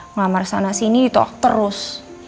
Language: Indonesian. ngamar sana sini ditok terus